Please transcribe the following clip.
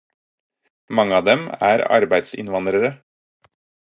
Mange av dem er arbeidsinnvandrere.